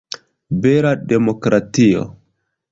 Bela demokratio!